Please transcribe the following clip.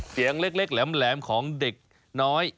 เสียงเล็กแหลมของเด็กน้อย